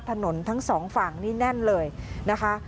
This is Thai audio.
ทั้งสองฝั่งนี่แน่นเลยนะคะ